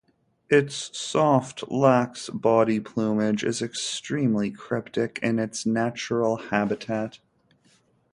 Its soft, lax body plumage is extremely cryptic in its natural habitat.